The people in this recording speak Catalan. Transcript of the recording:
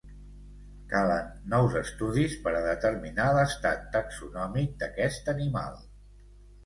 Calen nous estudis per a determinar l'estat taxonòmic d'aquest animal.